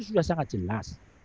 itu sudah sangat jelas